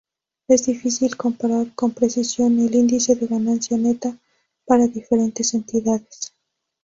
Es difícil comparar con precisión el índice de ganancia neta para diferentes entidades.